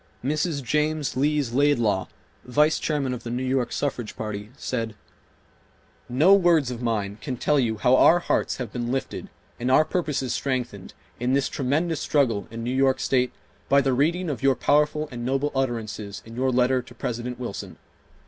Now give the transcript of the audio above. Mrs. James Lees Laidlaw, Vice Chairman of the New York Suffrage Party, said: "No words of mine can tell you how our hearts have been lifted and our purposes strengthened in this tremendous struggle in New York State by the reading of your powerful and noble utterances in your letter to President Wilson.